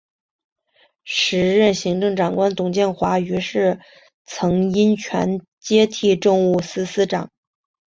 时任行政长官董建华于是以曾荫权接替政务司司长。